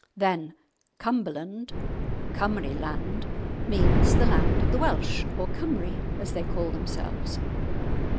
Then "Cumberland"—Cymry land—means the land of the Welsh, or Cymry, as they call themselves.